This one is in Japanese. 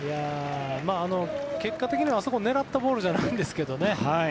結果的にはあそこ、狙ったボールじゃないんですけどね